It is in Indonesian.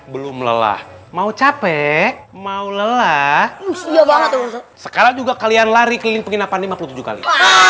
belum lelah mau capek mau lelah sekarang juga kalian lari keliling penginapan lima puluh tujuh kali